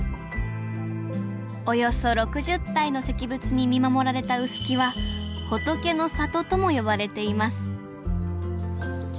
およそ６０体の石仏に見守られた臼杵は「仏の里」とも呼ばれています